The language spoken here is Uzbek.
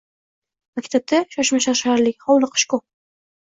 Maktabda shoshmashosharlik, hovliqish ko‘p.